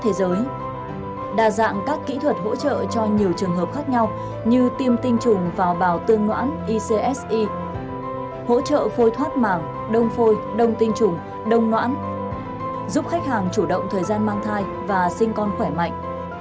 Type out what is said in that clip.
hỗ trợ cho nhiều trường hợp khác nhau như tiêm tinh trùng vào bào tương ngoãn icsi hỗ trợ phôi thoát mảng đông phôi đông tinh trùng đông ngoãn giúp khách hàng chủ động thời gian mang thai và sinh con khỏe mạnh